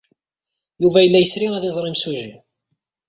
Yuba yella yesri ad iẓer imsujji.